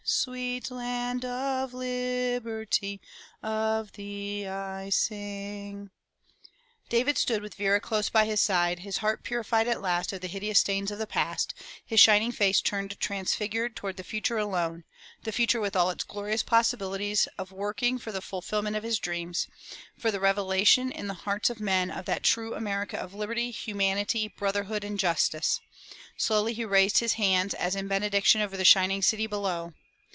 Sweet land of Liberty Of thee I sing,'* David stood with Vera close by his side, his heart purified at last of the hideous stains of the past, his shining face turned transfigured toward the future alone, the future with all its glorious possibilities of working for the fulfillment of his dream, for the revelation in the hearts of men of that true America of liberty, humanity, brotherhood and justice. Slowly he raised his hands as in benediction over the shining city below.